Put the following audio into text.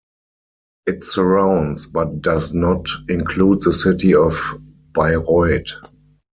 It surrounds, but does not include the city of Bayreuth.